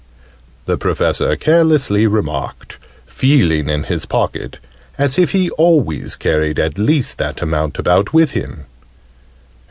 the Professor carelessly remarked, feeling in his pocket, as if he always carried at least that amount about with him.